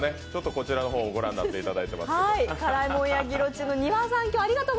こちらの方をご覧になっていただいていますけれども。